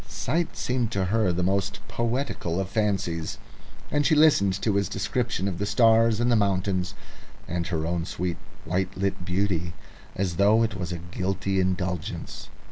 Sight seemed to her the most poetical of fancies, and she listened to his description of the stars and the mountains and her own sweet white lit beauty as though it was a guilty indulgence.